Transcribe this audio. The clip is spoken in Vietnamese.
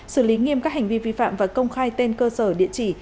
xử lý nghiêm các hành vi vi phạm và công khai tên cơ sở địa chỉ